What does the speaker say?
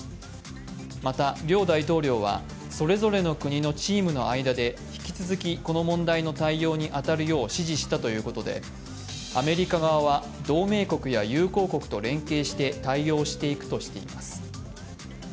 また、両大統領はそれぞれの国のチームの間で引き続きこの問題の対応に当たるよう指示したということでアメリカ側は同盟国や友好国と連携して対応していくとしています。